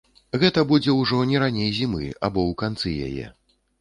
Гэта будзе ўжо не раней зімы або ў канцы яе.